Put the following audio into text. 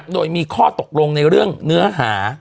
โดยมีข้อตกลงในเรื่องเนื้อหา